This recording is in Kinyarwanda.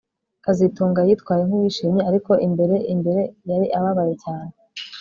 kazitunga yitwaye nkuwishimye ariko imbere imbere yari ababaye cyane